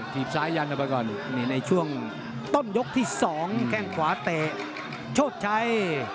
ีบซ้ายยันออกไปก่อนในช่วงต้นยกที่๒แข้งขวาเตะโชชัย